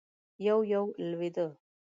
يو- يو لوېده.